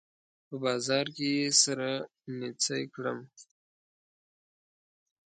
په بازار کې يې سره نيڅۍ کړم